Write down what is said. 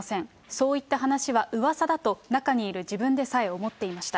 そういった話はうわさだと中にいる自分でさえ思っていました。